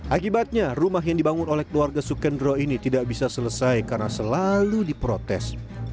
akibatnya rumah yang dibangun oleh keluarga sukendro ini tidak bisa selesai karena selalu diprotes